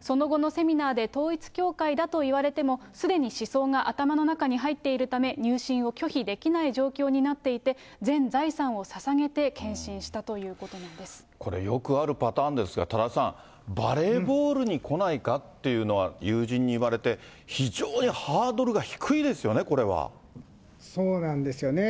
その後のセミナーで統一教会だと言われても、すでに思想が頭の中に入っているため、入信を拒否できない状況になっていて、全財産をささげて献身したこれ、よくあるパターンですが、多田さん、バレーボールに来ないかっていうのは、友人に言われて、非常にハードルが低いですよね、そうなんですよね。